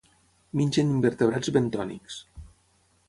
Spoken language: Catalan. Mengen invertebrats bentònics.